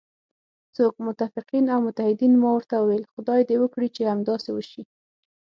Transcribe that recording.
څوک؟ متفقین او متحدین، ما ورته وویل: خدای دې وکړي چې همداسې وشي.